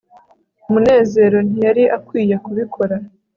munezero ntiyari akwiye kubikora